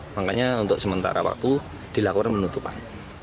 makanya untuk sementara waktu dilakukan penutupan